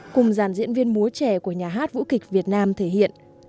cùng giàn diễn viên múa trẻ của nhà hát vũ kịch việt nam thể hiện